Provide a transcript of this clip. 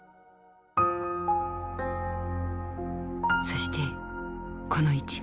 そしてこの一枚。